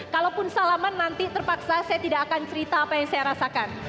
kalaupun salaman nanti terpaksa saya tidak akan cerita apa yang saya rasakan